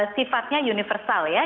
sifatnya universal ya